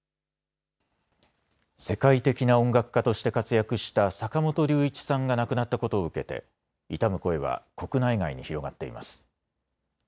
世界的な音楽家として活躍した坂本龍一さんが亡くなったことを受けて悼む声は国内外に広がっています。